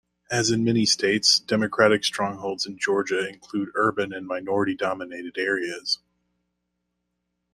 As in many states, Democratic strongholds in Georgia include urban and minority-dominated areas.